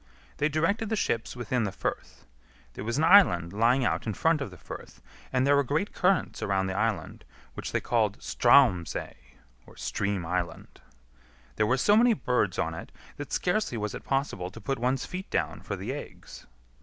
They directed the ships within the firth. There was an island lying out in front of the firth, and there were great currents around the island, which they called Straums ey (Stream island). There were so many birds on it that scarcely was it possible to put one's feet down for the eggs.